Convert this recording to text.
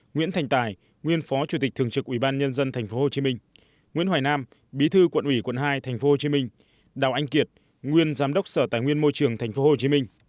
nguyễn thành tài nguyên phó chủ tịch thường trực ủy ban nhân dân tp hcm nguyễn hoài nam bí thư quận ủy quận hai tp hcm đào anh kiệt nguyên giám đốc sở tài nguyên môi trường tp hcm